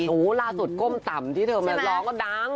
โอ้โหล่าสุดก้มต่ำที่เธอมาร้องก็ดัง